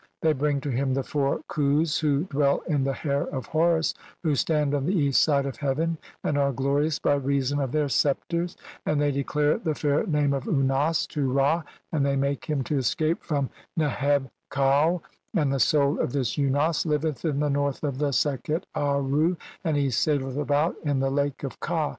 They bring to him the four "Khus who dwell in the hair of Horus, who stand on "the east side of heaven and are glorious by reason of "their sceptres, and they declare the fair name of Unas "to Ra, and they make him to escape from Neheb kau, "and the soul of this Unas liveth in the north of the "Sekhet Aaru, and he saileth about in the Lake of "Kha.